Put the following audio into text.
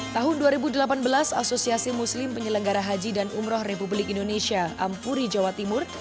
tahun dua ribu delapan belas asosiasi muslim penyelenggara haji dan umroh republik indonesia ampuri jawa timur